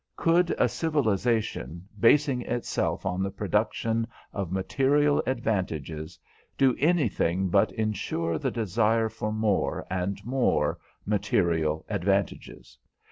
Could a civilization, basing itself on the production of material advantages, do anything but insure the desire for more and more material advantages?